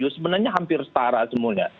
sebenarnya hampir setara semuanya